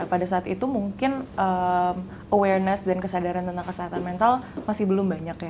pada saat itu mungkin awareness dan kesadaran tentang kesehatan mental masih belum banyak ya